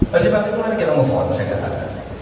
masih masih mau kita nge phone saya katakan